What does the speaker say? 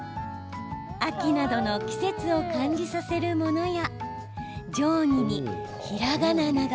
秋などの季節を感じさせるものや定規に、ひらがななど。